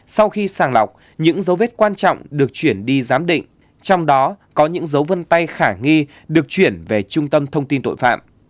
sau khi sàng lọc những dấu vết quan trọng được chuyển đi giám định trong đó có những dấu vân tay khả nghi được chuyển về trung tâm thông tin tội phạm